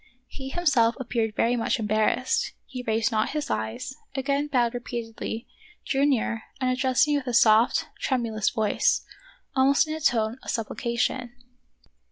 He himself appeared very much embarrassed. He raised not his eyes, again bowed repeatedly, drew nearer, and addressed me with a soft, tremu lous voice, almost in a tone of supplication.